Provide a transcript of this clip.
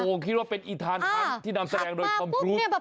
โอ้โฮคิดว่าเป็นอีทานทันที่นำแสดงโดยความพรุ้ง